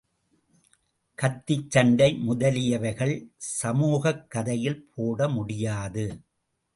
கத்திச் சண்டை முதலியவைகள் சமூகக்கதையில் போட முடியாது.